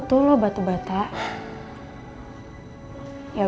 itu kalah fornya